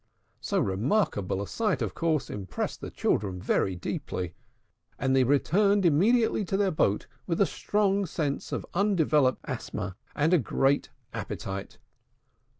So remarkable a sight, of course, impressed the four children very deeply; and they returned immediately to their boat with a strong sense of undeveloped asthma and a great appetite.